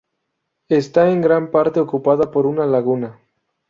Está en gran parte ocupada por una laguna.